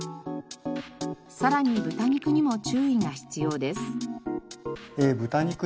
さらに豚肉にも注意が必要です。